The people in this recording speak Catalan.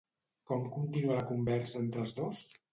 Com continua la conversa entre els dos?